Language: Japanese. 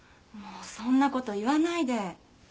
もうそんなこと言わないで。